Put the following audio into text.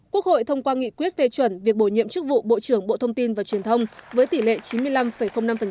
quốc hội thông qua nghị quyết phê chuẩn việc bổ nhiệm chức vụ bộ trưởng bộ thông tin và truyền thông với tỷ lệ chín mươi năm năm